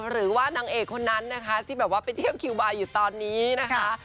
หรือว่านางเอกคนนั้นนะคะที่แบบว่าไปเที่ยวคิวบาร์อยู่ตอนนี้นะคะ